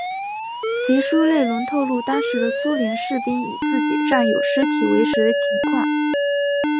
其书内容透露当时的苏联士兵以自己战友尸体为食的情况。